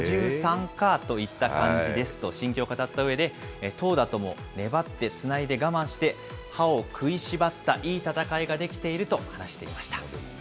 ５３かといった感じですと、心境を語ったうえで、投打とも粘ってつないで我慢して、歯を食いしばったいい戦いができていると話していました。